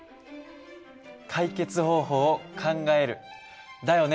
解決方法を考える。だよね？